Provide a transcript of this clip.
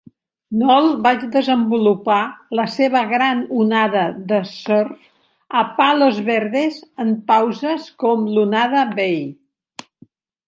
Noll va desenvolupar la seva gran onada de surf a Palos Verdes en pauses com Lunada Bay.